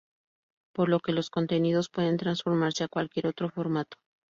Por lo que los contenidos pueden transformarse a cualquier otro formato.